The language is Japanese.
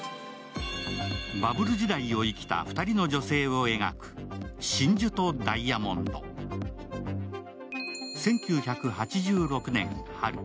バブル時代を生きた２人の女性を描く「真珠とダイヤモンド」１９８６年春。